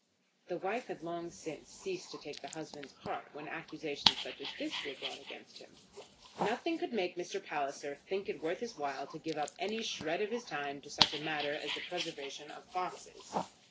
The wife had long since ceased to take the husband's part when accusations such as this were brought against him. Nothing could make Mr. Palliser think it worth his while to give up any shred of his time to such a matter as the preservation of foxes.